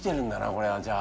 これはじゃあ。